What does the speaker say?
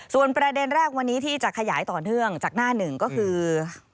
ส่วนประเด็นแรกวันนี้ที่จะขยายต่อเนื่องจากหน้าหนึ่งก็คือ